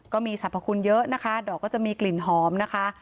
ก็มีสรรพคุณเยอะนะคะดอกก็จะมีกลิ่นหอมนะคะ